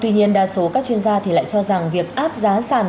tuy nhiên đa số các chuyên gia thì lại cho rằng việc áp giá sàn